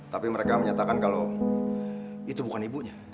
tapi mereka menyatakan kalau itu bukan ibunya